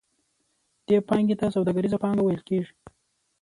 دې پانګې ته سوداګریزه پانګه ویل کېږي